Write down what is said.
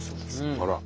あら！